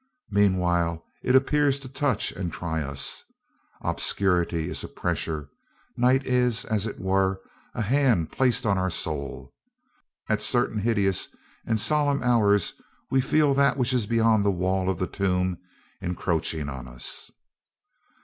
Meanwhile it appears to touch and try us. Obscurity is a pressure. Night is, as it were, a hand placed on our soul. At certain hideous and solemn hours we feel that which is beyond the wall of the tomb encroaching on us.